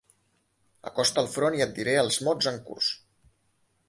Acosta el front i et diré els mots en curs.